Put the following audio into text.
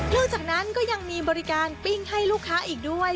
จากนั้นก็ยังมีบริการปิ้งให้ลูกค้าอีกด้วย